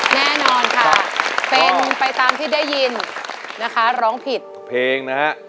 แน่นอนค่ะเป็นไปตามที่ได้ยินนะคะร้องผิดเพลงนะฮะ